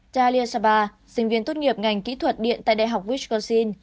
talia sabah sinh viên tốt nghiệp ngành kỹ thuật điện tại đại học wisconsin